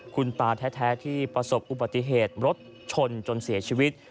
คุณตาแท้ที่ประสบอุบัติเหตุรถชนจนเสียชีวิต